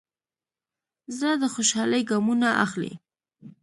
زړه د خوشحالۍ ګامونه اخلي.